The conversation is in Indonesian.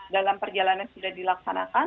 dalam perjalanan sudah dilaksanakan